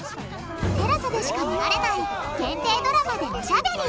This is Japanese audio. テラサでしか見られない限定ドラマでおしゃべり。